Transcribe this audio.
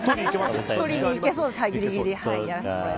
取りに行けそうです。